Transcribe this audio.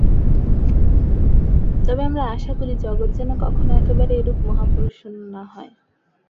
তবে আমরা আশা করি, জগৎ যেন কখনও একেবারে এরূপ মহাপুরুষশূন্য না হয়।